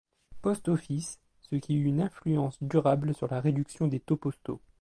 Post Office, ce qui eut une influence durable sur la réduction des taux postaux.